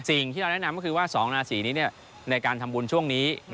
สิ่งที่เราแนะนำก็คือว่า๒ราศีนี้ในการทำบุญช่วงนี้